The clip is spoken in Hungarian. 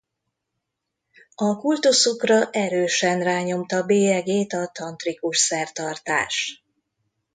A kultuszukra erősen rányomta bélyegét a tantrikus szertartás.